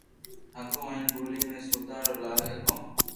ھگو ھين ٻولي ۾ سودا رو لاوي ھگي